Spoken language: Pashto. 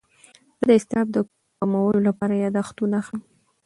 زه د اضطراب د کمولو لپاره یاداښتونه اخلم.